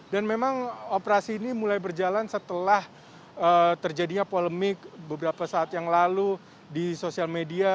dan memang operasi ini mulai berjalan setelah terjadinya polemik beberapa saat yang lalu di sosial media